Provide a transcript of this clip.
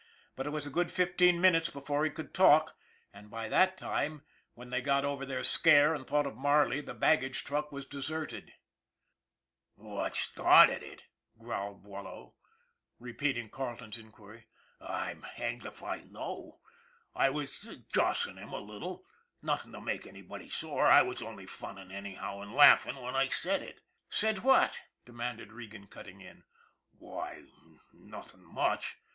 But it was a good fifteen min utes before he could talk, and by that time when they got over their scare and thought of Marley the baggage truck was deserted. " What started it !" growled Boileau, repeating Carleton's inquiry. " I'm hanged if I know. I was jossing him a little nothing to make anybody sore. I was only funning anyhow, and laughing when I said it." " Said what ?" demanded Regan, cutting in. " Why, nothing much.